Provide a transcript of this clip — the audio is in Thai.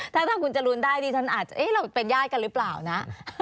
ถ้าท่านคุณจรุนได้ดิฉันอาจจะเอ๊ะเราเป็นญาติกันรึเปล่านะ